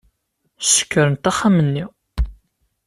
Ssekrant axxam-nni.